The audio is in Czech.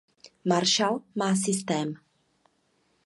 Marshall má „systém“.